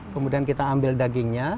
kemudian kita ambil dagingnya